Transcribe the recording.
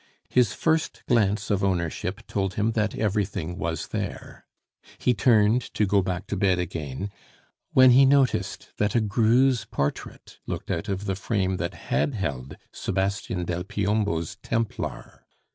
His first glance of ownership told him that everything was there; he turned to go back to bed again, when he noticed that a Greuze portrait looked out of the frame that had held Sebastian del Piombo's Templar.